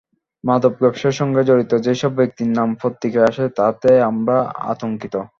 মাদক ব্যবসার সঙ্গে জড়িত যেসব ব্যক্তির নাম পত্রিকায় আসে তাতে আমরা আতঙ্কিত।